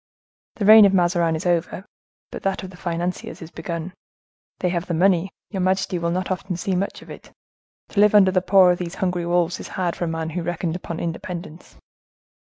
The reign of Mazarin is over, but that of the financiers is begun. They have the money; your majesty will not often see much of it. To live under the paw of these hungry wolves is hard for a man who reckoned upon independence."